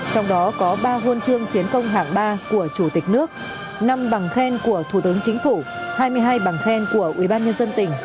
trong đó có ba hôn trương chiến công hạng ba của chủ tịch nước năm bằng khen của thủ tướng chính phủ hai mươi hai bằng khen của ubnd